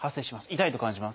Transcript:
「痛い！」と感じます。